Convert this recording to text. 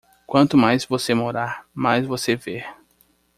Quanto mais você morar, mais você vê.